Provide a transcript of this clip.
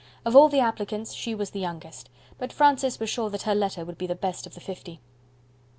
Of all the applicants, she was the youngest; but Francis was sure that her letter would be the best of the fifty.